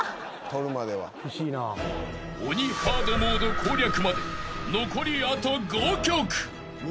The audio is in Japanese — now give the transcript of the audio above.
［鬼ハードモード攻略まで残りあと５曲］